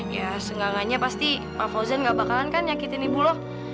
ya seenggangannya pasti pak fauzan gak bakalan kan nyakitin ibu loh